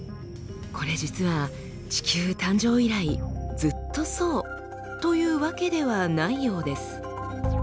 これ実は地球誕生以来ずっとそうというわけではないようです。